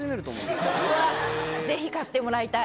ぜひ買ってもらいたい。